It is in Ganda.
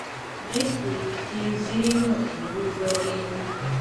Disitulikiti zirimu enguudo embi.